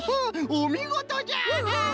おみごとじゃ。